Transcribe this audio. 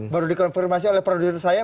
baru dikonfirmasi oleh produser saya